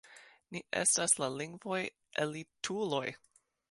Ni estas la lingvaj elituloj!